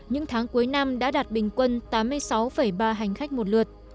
những tháng cuối năm đã đạt bình quân tám mươi sáu ba hành khách một lượt